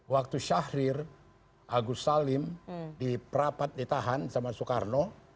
waktu syahrir agus salim diperapat ditahan sama soekarno